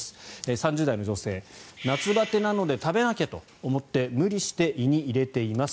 ３０代の女性夏バテなので食べなきゃと思って無理して胃に入れています